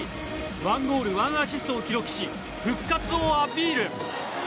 １ゴール１アシストを記録し復活をアピール。